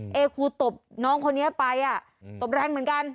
เอครูตบน้องคนนี้ไปตบแรงเหมือนกัน